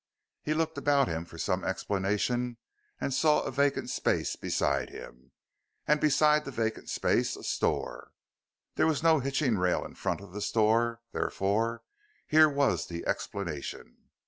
He looked about him for some explanation and saw a vacant space beside him and beside the vacant space a store. There was no hitching rail in front of the store, therefore here was the explanation.